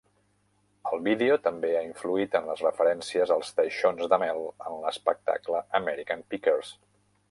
El vídeo també ha influït en les referències als teixons de mel en l'espectacle "American Pickers".